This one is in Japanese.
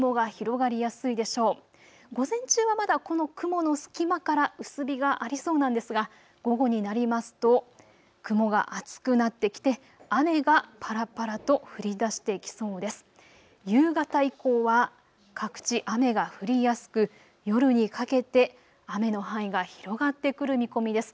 午前中はまだこの雲の隙間から薄日がありそうなんですが午後になりますと雲が厚くなってきて雨がぱらぱらと降りだしてきそうです。